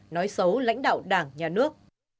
nói xấu lãnh đạo đảng nhà nước